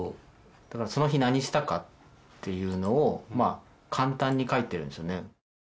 だからその日何したかっていうのを簡単に書いてるんですよね。